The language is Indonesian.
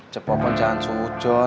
cepopon jangan sungguh sungguh